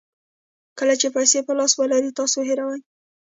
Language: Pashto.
کله چې پیسې په لاس کې ولرئ تاسو هیروئ.